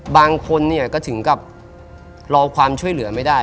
บางคนเนี่ยก็ถึงกับรอความช่วยเหลือไม่ได้